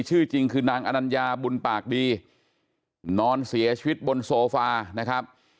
ชื่อจริงคือนางอนัญญาบุญปากดีนอนเสียชีวิตบนโซฟานะครับ